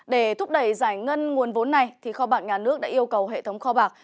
để thúc đẩy giải ngân nguồn vốn này kho bạc nhà nước đã yêu cầu hệ thống kho bạc